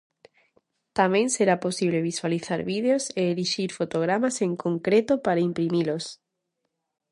Tamén será posible visualizar vídeos e elixir fotogramas en concreto para imprimilos.